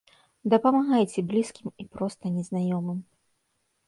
Дапамагайце блізкім і проста незнаёмым.